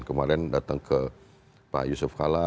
kemarin datang ke pak yusuf kala